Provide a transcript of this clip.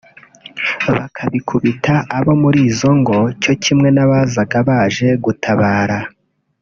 bakabikubita abo muri izo ngo cyo kimwe n’abazaga baje gutabara